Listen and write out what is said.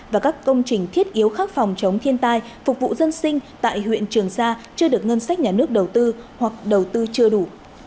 và các công trình thiết yếu khác phòng chống thiên tai phục vụ dân sinh tại huyện trường sa chưa được ngân sách nhà nước đầu tư hoặc đầu tư chưa đủ